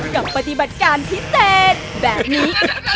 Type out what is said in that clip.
กับปฏิบัติการพิเศษแบบนี้